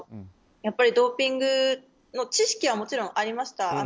やっぱりドーピングの知識はもちろんありました。